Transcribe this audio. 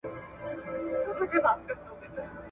چې را ياد سي هغه ورځې